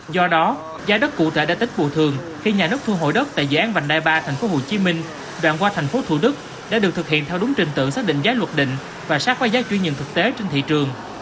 do đó gia đất cụ thể đã tích vụ thường khi nhà nước thu hội đất tại dự án vành đai ba thành phố hồ chí minh đoạn qua thành phố thủ đức đã được thực hiện theo đúng trình tượng xác định giá luật định và sát qua giá chuyên nhân thực tế trên thị trường